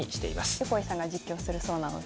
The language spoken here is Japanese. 横井さんが実況するようなので。